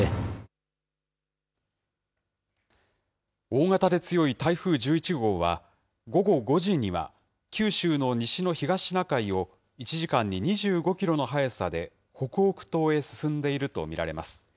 大型で強い台風１１号は、午後５時には九州の西の東シナ海を、１時間に２５キロの速さで、北北東へ進んでいると見られます。